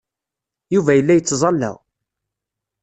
Yuba yella yettẓalla.